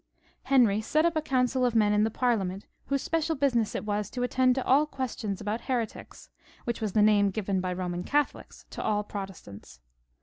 Henry set up a council of men in the Parliament, whose special business it was to attend to all questions about heretics, which was the name given by Eoman Catholics to all Protestants.